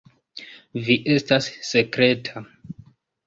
Vi estas sekreta.